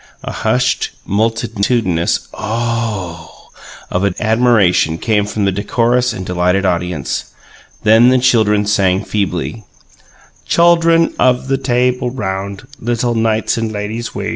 A hushed, multitudinous "O OH" of admiration came from the decorous and delighted audience. Then the children sang feebly: "Chuldrun of the Tabul Round, Lit tul knights and ladies we.